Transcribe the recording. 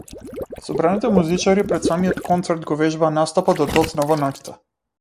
Собраните музичари пред самиот концерт го вежбаа настапот до доцна во ноќта.